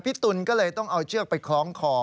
ตุ๋นก็เลยต้องเอาเชือกไปคล้องคอ